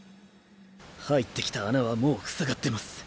入ってきた穴はもう塞がってます。